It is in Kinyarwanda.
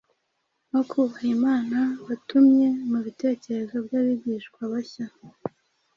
no kubaha Imana watumye mu bitekerezo by’abigishwa bashya